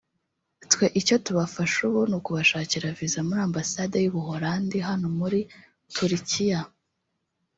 Twe icyo tubafasha ubu ni ukubashakira Visa muri Ambasade y’u Buholandi hano muri Turikiya